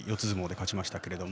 相撲で勝ちました。